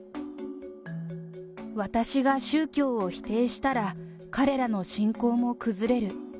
私が宗教を否定したら、彼らの信仰も崩れる。